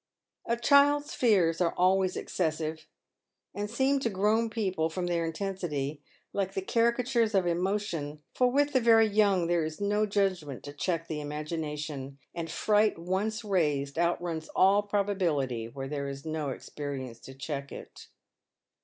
A child's fears are always excessive, and seem to grown people, from their intensity, like the caricatures of emotion, for with the very young there is no judgment to check the imagination, and fright once raised outruns all probability where there is no experience to check it.